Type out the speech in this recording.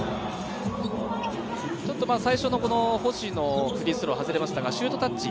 最初の星のフリースローが外れましたがシュートタッチ。